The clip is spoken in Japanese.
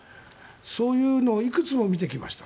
そういうのをいくつも見てきました。